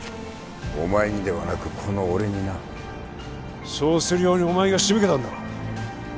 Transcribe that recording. お前にではなくこの俺になそうするようにお前が仕向けたんだろ？